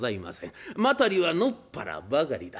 辺りは野っ原ばかりだ。